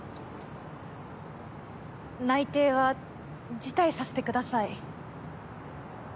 内定は辞退させてください。